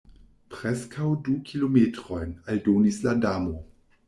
"Preskaŭ du kilometrojn," aldonis la Damo.